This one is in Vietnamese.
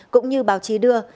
cũng như báo chí đưa